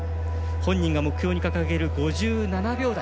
本人が目標に掲げる５７秒台。